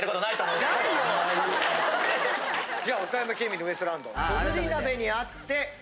じゃあ岡山県民のウエストランド。